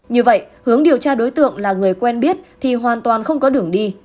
như vậy hướng điều tra đối tượng là người quen biết thì hoàn toàn không có đường đi